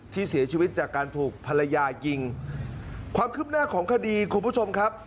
ที่เสียชีวิตจากการถูกภรรยายิงความคืบหน้าของคดีคุณผู้ชมครับ